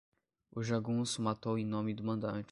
O jagunço matou em nome do mandante